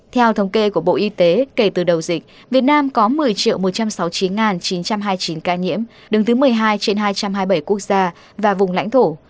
theo thống kê của bộ y tế kể từ đầu dịch việt nam có một mươi một trăm sáu mươi chín chín trăm hai mươi chín ca nhiễm đứng thứ một mươi hai trên hai trăm hai mươi bảy quốc gia và vùng lãnh thổ